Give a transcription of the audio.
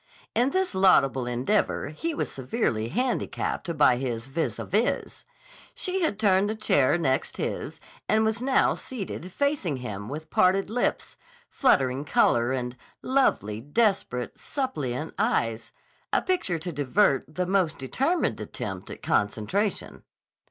In this laudable endeavor he was severely handicapped by his vis à vis. She had turned the chair next his and was now seated facing him with parted lips, fluttering color, and lovely, desperate, suppliant eyes, a picture to divert the most determined attempt at concentration.